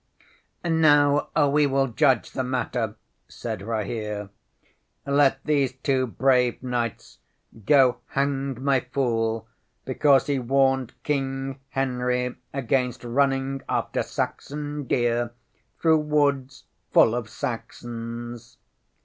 ŌĆśŌĆ£Now we will judge the matter, ŌĆØ said Rahere. ŌĆ£Let these two brave knights go hang my fool because he warned King Henry against running after Saxon deer through woods full of Saxons.